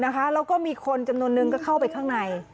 แล้วก็มีคนจำนวนนึงก็เข้าไปข้างใน